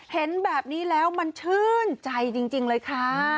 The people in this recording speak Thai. เห็นแบบนี้แล้วมันชื่นใจจริงเลยค่ะ